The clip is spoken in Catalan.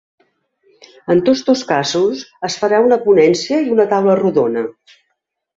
En tots dos casos, es farà una ponència i una taula rodona.